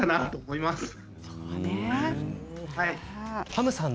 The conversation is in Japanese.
ハムさん